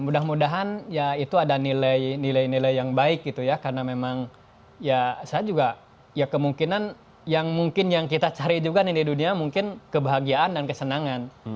mudah mudahan ya itu ada nilai nilai yang baik gitu ya karena memang ya saya juga ya kemungkinan yang mungkin yang kita cari juga nih di dunia mungkin kebahagiaan dan kesenangan